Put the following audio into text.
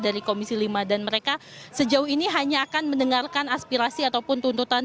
dari komisi lima dan mereka sejauh ini hanya akan mendengarkan aspirasi ataupun tuntutan